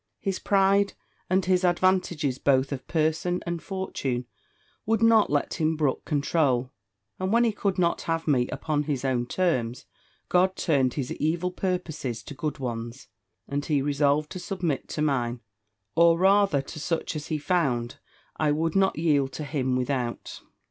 His pride, and his advantages both of person and fortune, would not let him brook control; and when he could not have me upon his own terms, God turned his evil purposes to good ones; and he resolved to submit to mine, or rather to such as he found I would not yield to him without.